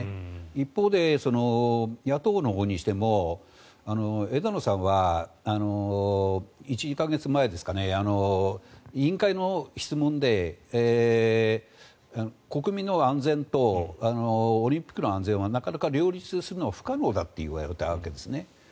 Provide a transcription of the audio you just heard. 一方で、野党のほうにしても枝野さんは１２か月前委員会の質問で、国民の安全とオリンピックの安全はなかなか両立するのは不可能だと言われたわけですね。